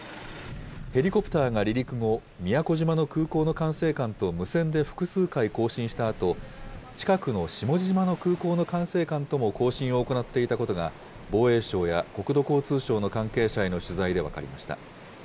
ヘリコプターが離陸後、宮古島の空港の管制官と無線で複数回交信したあと、近くの下地島の空港の管制官とも交信を行っていたことが、防衛省や国土交通省の関係者への取材で分かりました。